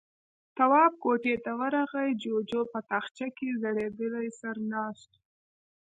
تواب کوټې ته ورغی، جُوجُو په تاخچه کې ځړېدلی سر ناست و.